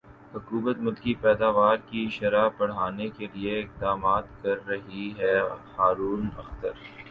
حکومت ملکی پیداوار کی شرح بڑھانے کیلئے اقدامات کر رہی ہےہارون اختر